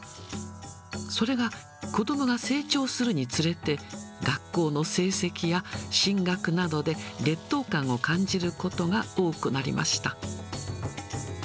それが子どもが成長するにつれて、学校の成績や進学などで劣等感を感じることが多くなりました。